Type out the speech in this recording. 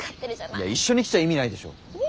一緒に来ちゃ意味ないでしょ。